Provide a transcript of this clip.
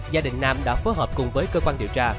gia đình nam đã phối hợp cùng với cơ quan điều tra